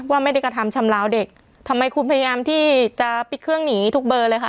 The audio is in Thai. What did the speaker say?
ว่าไม่ได้กระทำชำลาวเด็กทำไมคุณพยายามที่จะปิดเครื่องหนีทุกเบอร์เลยค่ะ